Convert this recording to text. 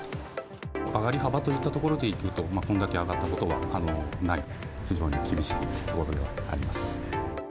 上がり幅といったところでいくと、これだけ上がったことはない、非常に厳しいというところではあります。